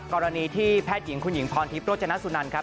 กรณีที่แพทย์หญิงคุณหญิงพรทิพย์โรจนสุนันครับ